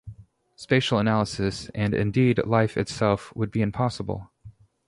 Spatial analysis, and indeed life itself, would be impossible.